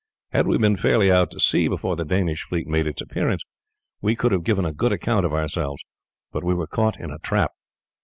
Had we been fairly out to sea before the Danish fleet made its appearance we could have given a good account of ourselves, but we were caught in a trap."